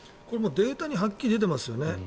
これデータにはっきり出てますよね。